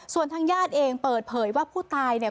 ส่วนทางญาติเองเปิดเผยว่าผู้ตายเนี่ย